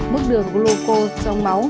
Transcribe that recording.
mức đường glucose trong máu